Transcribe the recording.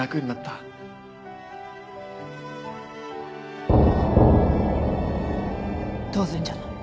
銃声当然じゃない。